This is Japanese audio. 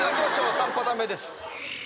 ３パターン目です